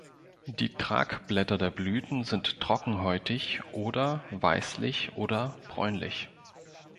Die Tragblätter der Blüten sind trockenhäutig oder weißlich oder bräunlich.